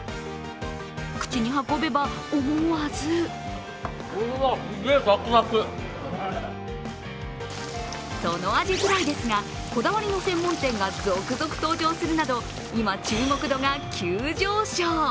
口に運べば、思わずそのアジフライですが、こだわりの専門店が続々登場するなど今、注目度が急上昇。